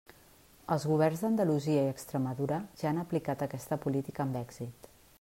Els governs d'Andalusia i Extremadura ja han aplicat aquesta política amb èxit.